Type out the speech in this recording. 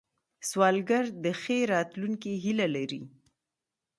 سوالګر د ښې راتلونکې هیله لري